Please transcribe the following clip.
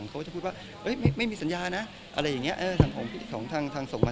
นะอะไรอย่างเงี้ยเออทางของทางทางส่งมา